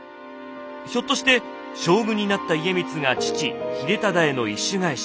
ひょっとして将軍になった家光が父・秀忠への意趣返し